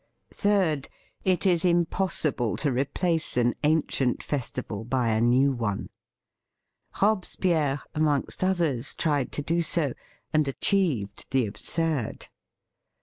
Third, it is impossible to replace an an cient festival by a new one. Robe spierre, amongst others, tried to do so, and achieved the absurd.